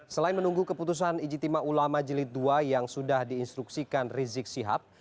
selain menunggu keputusan ijtima ulama jilid ii yang sudah diinstruksikan rizik sihab